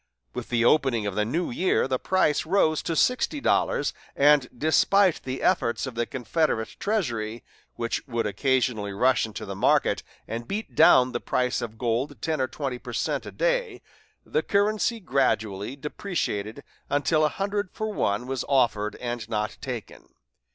With the opening of the new year the price rose to sixty dollars, and, despite the efforts of the Confederate treasury, which would occasionally rush into the market and beat down the price of gold ten or twenty per cent. a day, the currency gradually depreciated until a hundred for one was offered and not taken.